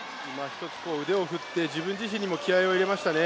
腕を振って自分自身にも気合いを入れましたね。